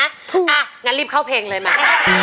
อ่ะงั้นรีบเข้าเพลงเลยมา